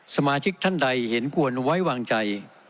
สมาชิกท่านใดเห็นควรไว้วางใจ